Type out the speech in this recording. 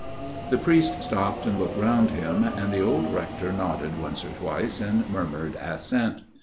The priest stopped and looked round him, and the old Rector nodded once or twice and murmured assent.